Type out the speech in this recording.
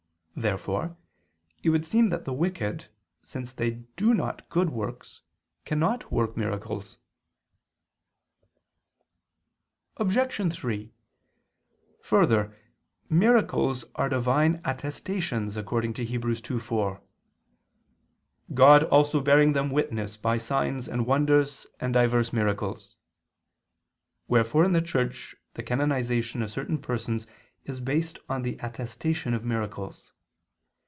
Therefore it would seem that the wicked, since they do not good works, cannot work miracles. Obj. 3: Further, miracles are divine attestations, according to Heb. 2:4, "God also bearing them witness by signs and wonders and divers miracles": wherefore in the Church the canonization of certain persons is based on the attestation of miracles.